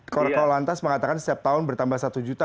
korek korek lantas mengatakan setiap tahun bertambah satu juta